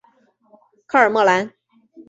科尔莫兰。